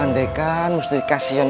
andai kan musti kasihan itu masih ada